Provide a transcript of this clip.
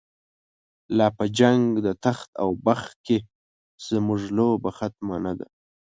لاپه جنګ دتخت اوبخت کی، زموږ لوبه ختمه نه ده